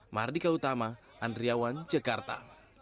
mardika utama andriawan jakarta